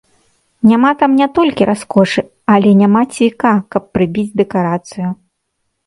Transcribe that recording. Няма там не толькі раскошы, але няма цвіка, каб прыбіць дэкарацыю.